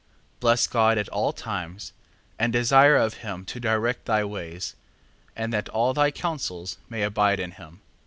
4:20. Bless God at all times: and desire of him to direct thy ways, and that all thy counsels may abide in him.